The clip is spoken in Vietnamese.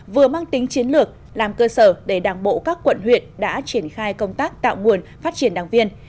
vừa mang tính chiến lược làm cơ sở để đảng bộ các quận huyện đã triển khai công tác tạo nguồn phát triển đảng viên